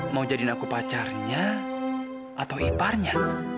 mau jadikan aku pacarnya atau iparnya